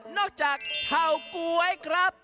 นอกจากชาวกวยครับ